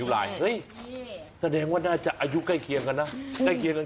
แบบว่าน่าจะเป็นเพี้ยนกัน